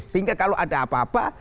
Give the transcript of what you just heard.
sehingga kalau ada apa apa